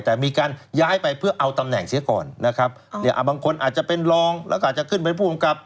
แต่มีการย้ายไปเพื่อเอาตำแหน่งเสียก่อนนะครับเนี่ยบางคนอาจจะเป็นรองแล้วก็อาจจะขึ้นเป็นผู้กำกับ